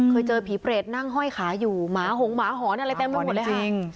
เคยเจอผีเปรตนั่งห้อยขาอยู่หมาหงหมาหอนอะไรเต็มไปหมดเลยค่ะ